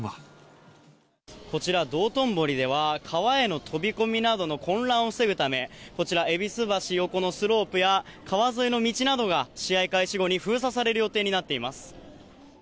こちら、道頓堀では川への飛び込みなどの混乱を防ぐため、こちら、戎橋横のスロープや、川沿いの道などが試合開始後に封鎖される予定になっています。